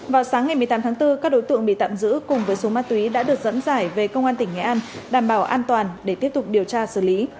vào sáng ngày một mươi tám tháng bốn các đối tượng bị tạm giữ cùng với số ma túy đã được dẫn giải về công an tỉnh nghệ an đảm bảo an toàn để tiếp tục điều tra xử lý